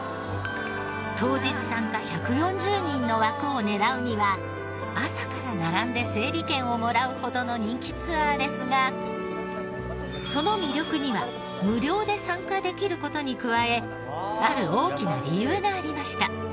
当日参加１４０人の枠を狙うには朝から並んで整理券をもらうほどの人気ツアーですがその魅力には無料で参加できる事に加えある大きな理由がありました。